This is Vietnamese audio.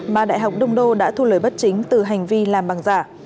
mà đại học đông đô đã thu lời bất chính từ hành vi làm bằng giả